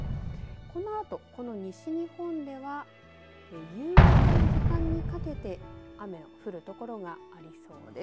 このあと、この西日本では夕方の時間にかけて雨が降る所がありそうです。